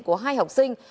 của hai học sinh